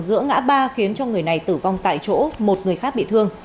giữa ngã ba khiến cho người này tử vong tại chỗ một người khác bị thương